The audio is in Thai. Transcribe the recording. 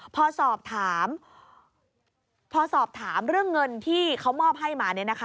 พอสอบถามเรื่องเงินที่เขามอบให้มา